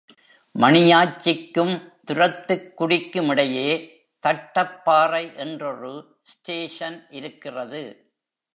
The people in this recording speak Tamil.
மணியாச்சிக்கும், துரத்துக்குடிக்குமிடையே தட்டப் பாறை என்றொரு ஸ்டேஷன் இருக்கிறது.